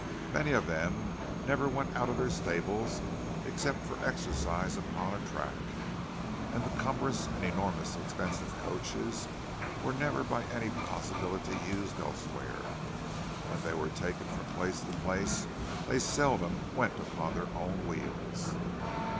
Many of them never went out of their stables except for exercise upon a track; and the cumbrous and enormously expensive coaches were never by any possibility used elsewhere—when they were taken from place to place they seldom went upon their own wheels.